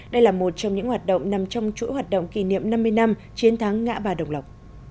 đây là một trong những hoạt động nằm trong chuỗi hoạt động kỷ niệm năm mươi năm chiến thắng ngã ba đồng lộc